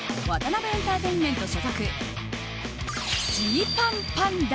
ワタナベエンターテインメント所属、Ｇパンパンダ。